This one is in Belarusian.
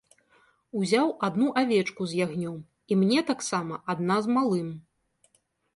Узяў адну авечку з ягнём, і мне таксама адна з малым.